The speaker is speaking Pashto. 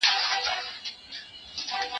اورېدل يې د رعيتو فريادونه